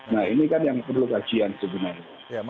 nah ini kan yang perlu kajian sebenarnya